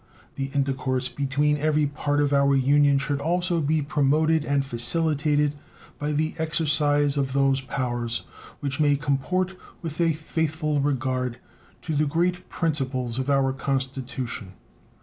The intercourse between every part of our Union should also be promoted and facilitated by the exercise of those powers which may comport with a faithful regard to the great principles of our Constitution.